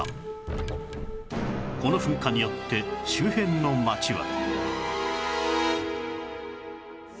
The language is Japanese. この噴火によって周辺の街は